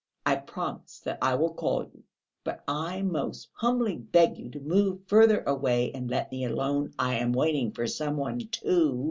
I promise that I will call you. But I most humbly beg you to move further away and let me alone. I am waiting for some one too."